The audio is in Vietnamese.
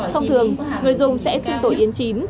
thông thường người dùng sẽ xin tổ yến chín